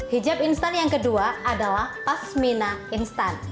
hijab instan yang kedua adalah pasmina instan